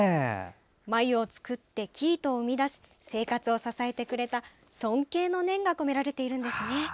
繭を作って生糸を生み出し生活を支えてくれた尊敬の念が込められているんですね。